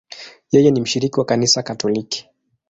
Yeye ni mshiriki wa Kanisa Katoliki.